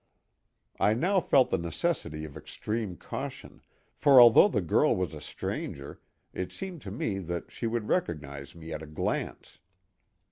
I now felt the necessity of extreme caution, for although the girl was a stranger it seemed to me that she would recognize me at a glance.